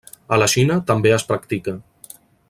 A la Xina també es practica.